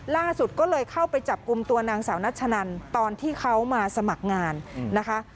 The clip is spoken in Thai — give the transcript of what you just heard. ล่าสุดก็เลยเข้าไปจับกลุ่มตัวนางสาวนัชนันตอนที่เขามาสมัครงานนะคะ